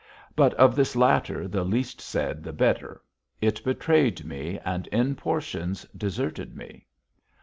But of this latter the least said the better. It betrayed me and, in portions, deserted me.